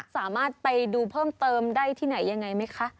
สามารถไปดูเพิ่มเติมได้ที่ไหนยังไงไหมคะ